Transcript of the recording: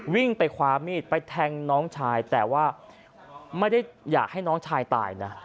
วิ่งไปคว้ามีดไปแทงน้องชายแต่ว่าไม่ได้อยากให้น้องชายตายนะ